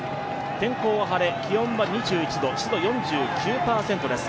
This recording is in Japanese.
天候は晴れ、気温は２１度、湿度４９％です。